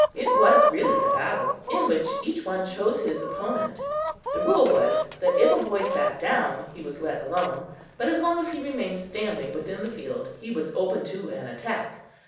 It was really a battle, in which each one chose his opponent. The rule was that if a boy sat down, he was let alone, but as long as he remained standing within the field, he was open to an attack.